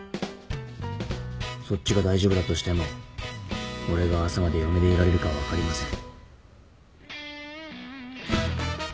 そっちが大丈夫だとしても俺は朝まで嫁でいられるか分かりません。